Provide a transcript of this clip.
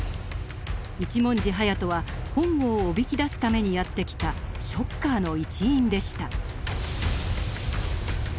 一文字隼人は本郷をおびき出すためにやって来たショッカーの一員でした。